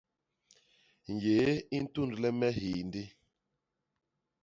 Nyéé u ntundle me hiyindi.